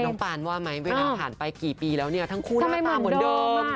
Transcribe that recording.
ปานว่าไหมเวลาผ่านไปกี่ปีแล้วเนี่ยทั้งคู่หน้าตาเหมือนเดิม